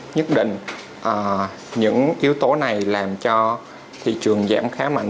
nhất định những yếu tố này làm cho thị trường giảm khá mạnh